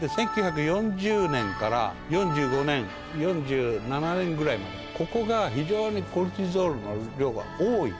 １９４０年から４５年４７年ぐらいまでここが非常にコルチゾールの量が多い。